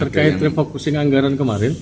terkait refocusing anggaran kemarin